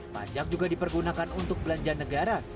pajak juga dipergunakan untuk belanja negara